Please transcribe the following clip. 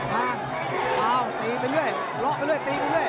มาเอ้าตีไปเรื่อยล็อกไปเรื่อยตีไปเรื่อย